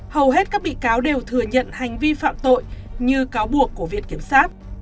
hầu hết các bị cáo đều thừa nhận hành vi phạm tội như cáo buộc của viện kiểm sát